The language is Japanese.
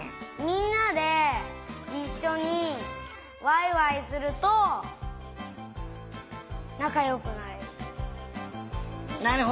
みんなでいっしょにワイワイするとなかよくなれる。